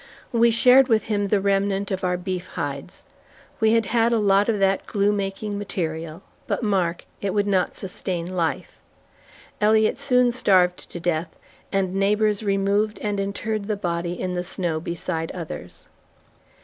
We shared with him the remnant of our beef hides. We had had a lot of that glue making material. But mark, it would not sustain life. Elliot soon starved to death, and neighbors removed and interred the body in the snow beside others.